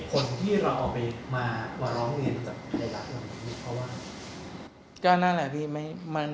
เหตุผลที่เราเอาไปมาวาร้องเงินจากไทยรักแหละมั้ง